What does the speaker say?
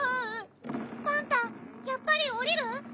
パンタやっぱり下りる？